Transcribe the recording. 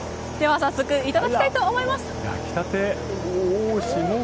早速いただきたいと思います。